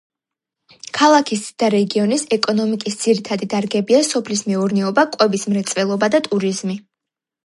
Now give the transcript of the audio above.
ქალაქის და რეგიონის ეკონომიკის ძირითადი დარგებია სოფლის მეურნეობა, კვების მრეწველობა და ტურიზმი.